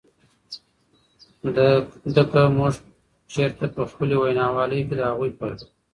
د که مونږ چرته په خپلې وینا والۍ کې د هغوئ پر